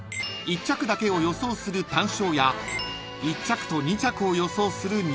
［１着だけを予想する単勝や１着と２着を予想する